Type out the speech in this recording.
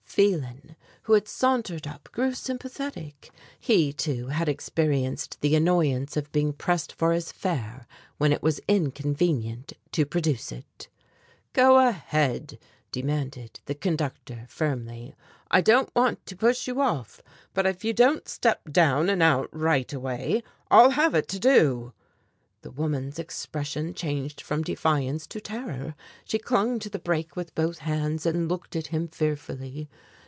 Phelan, who had sauntered up, grew sympathetic. He, too, had experienced the annoyance of being pressed for his fare when it was inconvenient to produce it. "Go ahead," demanded the conductor firmly, "I don't want to push you off, but if you don't step down and out right away, I'll have it to do." The woman's expression changed from defiance to terror. She clung to the brake with both hands and looked at him fearfully.